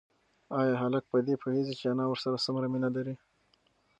ایا هلک په دې پوهېږي چې انا ورسره څومره مینه لري؟